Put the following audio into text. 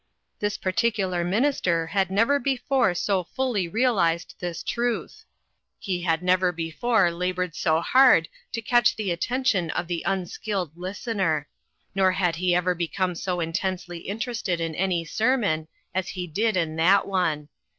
This particular minister had never before so fully realized this truth. He had never before labored so hard to catch the attention of the unskilled listener ; nor had he ever become so in tensely interested in any sermon as he did in that one.